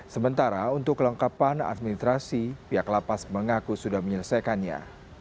sementara untuk kelengkapan administrasi pihak lapas mengaku sudah menyelesaikannya